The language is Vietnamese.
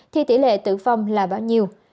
thì tỷ lệ tử vong là bao nhiêu